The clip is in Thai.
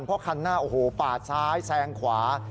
เพราะคันหน้าโอ้โหปาดซ้ายแซงขวา